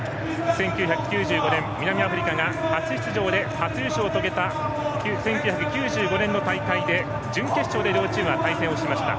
１９９５年、南アフリカが初出場で初優勝を遂げた１９９５年の大会で準決勝で両チームは対戦しました。